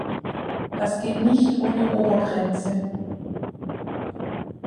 Das geht nicht ohne Obergrenze.